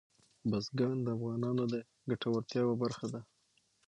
بزګان د افغانانو د ګټورتیا یوه برخه ده.